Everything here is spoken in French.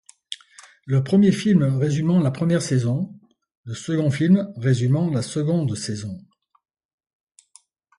Le premier film résumant la première saison, le second film résumant la seconde saison.